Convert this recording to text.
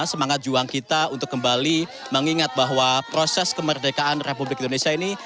semangat juang kita untuk kembali mengingat bahwa proses kemerdekaan republik indonesia ini